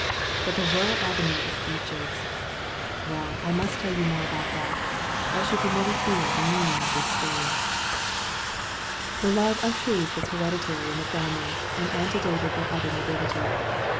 But the royal avenue of beeches ! Well, I must tell you more about that, else you can never feel the meaning of this story. 39 THE VALLEY OP VISION The love of trees was hereditaiy in the family and antedated their other nobility.